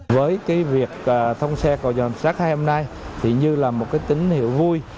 với việc thông xe cầu vạm sát hai hôm nay thì như là một tính hiệu vui